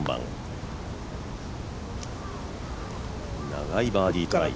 長いバーディートライ。